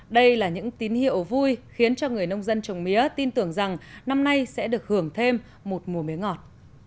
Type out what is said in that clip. đây là những tín hiệu vui khiến cho người nông dân trồng mía tin tưởng rằng năm nay sẽ được hưởng thêm một mùa mía ngọt